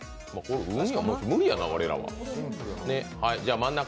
無理やな、我らは。